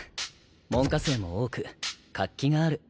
門下生も多く活気がある。